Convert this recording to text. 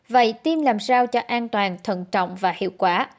vậy tiêm làm sao cho an toàn thận trọng và hiệu quả